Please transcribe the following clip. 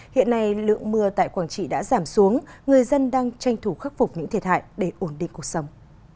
hiện nay lượng mưa tại quảng trị đã giảm xuống người dân đang tranh thủ khắc phục những thiệt hại để ổn định cuộc sống